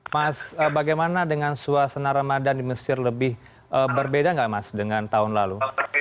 mas bagaimana dengan suasana ramadan di mesir lebih berbeda nggak mas dengan tahun lalu